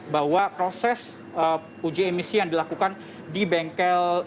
bahwa proses uji emisi yang dilakukan di bengkel